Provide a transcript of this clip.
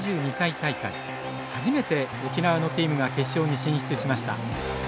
初めて沖縄のチームが決勝に進出しました。